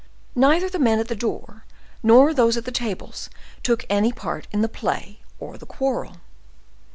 Neither the men at the door, nor those at the tables took any part in the play or the quarrel.